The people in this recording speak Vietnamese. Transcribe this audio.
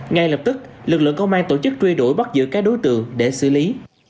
ngay lập tức lực lượng công an tổ chức truy đuổi bắt giữ các đối tượng để xử lý